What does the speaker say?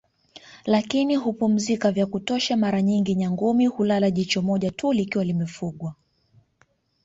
Lakini hupumzika vya kutosha mara nyingi Nyangumi hulala jicho moja tu likiwa limefugwa